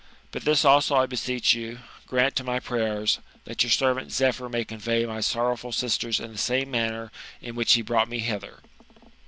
But this also I beseech you, gmnt to my prayers, that your servant Zephyr may convey my sorrowful sisters in the same manner in which he brought me hither."